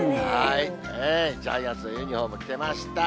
ジャイアンツのユニホーム着てました。